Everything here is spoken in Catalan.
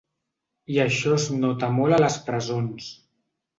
I això es nota molt a les presons.